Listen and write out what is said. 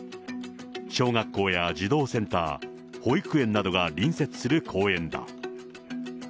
小学校や児童センター、保育園などが隣接する公園だ。